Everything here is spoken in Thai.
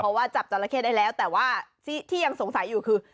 เพราะว่าจับจราเข้ได้แล้วแต่ว่าที่ยังสงสัยอยู่คือ